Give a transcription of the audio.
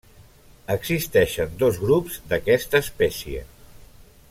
Existeixen dos grups d'aquesta espècie.